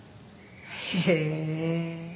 へえ。